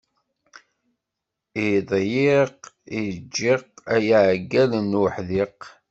Iḍyiq, ijjiq, a yaɛeggal ur neḥdiq!